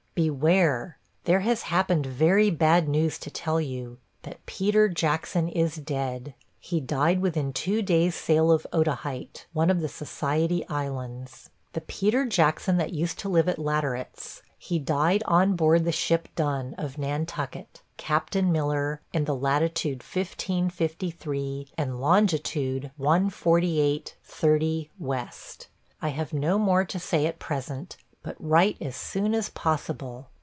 Beware! There has happened very bad news to tell you, that Peter Jackson is dead. He died within two days' sail of Otaheite, one of the Society Islands. The Peter Jackson that used to live at Laterett's; he died on board the ship Done, of Nantucket, Captain Miller, in the latitude 15 53, and longitude 148 30 W. I have no more to say at present, but write as soon as possible.